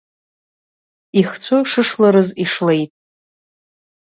Ихцәы шышларыз ишлеит.